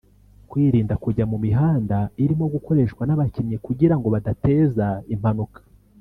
kwirinda kujya mu mihanda irimo gukoreshwa n’abakinnyi kugira ngo badateza impanuka